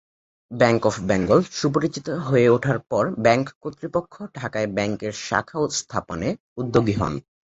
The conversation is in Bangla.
ব্যাঙ্ক অফ বেঙ্গল সুপরিচিত হয়ে ওঠার পর ব্যাঙ্ক কর্তৃপক্ষ ঢাকায় ব্যাঙ্কের শাখা স্থাপনে উদ্যোগী হন।